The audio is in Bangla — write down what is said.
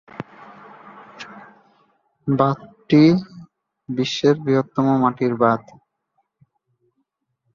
বাঁধটি বিশ্বের বৃহত্তম মাটির বাঁধ।